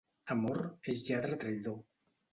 Amor és lladre traïdor.